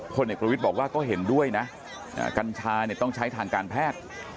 เด็กประวิทย์บอกว่าก็เห็นด้วยนะกัญชาต้องใช้ทางการแพทย์